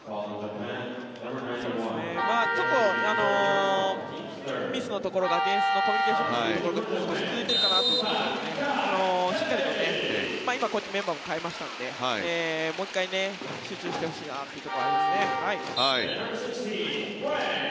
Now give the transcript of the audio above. ちょっとミスのところがディフェンスのコミュニケーション不足のところが続いているかなという感じですがしっかりと今、こうやってメンバーも代えましたのでもう１回、集中してほしいなというところはありますね。